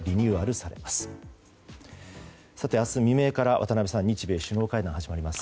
さて、明日未明から渡辺さん日米首脳会談が始まります。